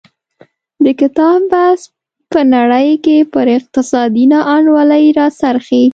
د کتاب بحث په نړۍ کې پر اقتصادي نا انډولۍ راڅرخي.